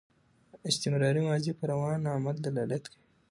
استمراري ماضي پر روان عمل دلالت کوي.